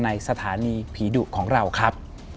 สถานีผีดุของเราครับ